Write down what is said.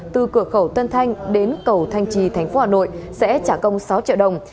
từ cửa khẩu tân thanh đến cầu thanh trì thành phố hà nội sẽ trả công sáu triệu đồng